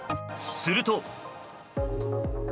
すると。